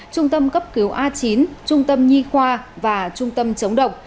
trung tâm cấp cứu a chín trung tâm nhi khoa và trung tâm chống độc